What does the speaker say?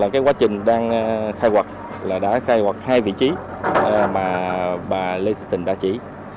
cơ quan chức năng đã khai quật hai vị trí mà bà lê thị tình đã chỉ